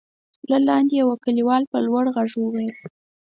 له لاندې يوه کليوال په لوړ غږ وويل: